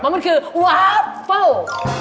เพราะมันคือวาฟเฟิลล์